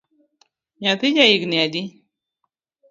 Nyathi ja higni adi?